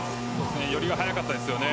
寄りが速かったですよね。